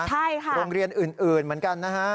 ใช่ค่ะโรงเรียนอื่นเหมือนกันนะฮะ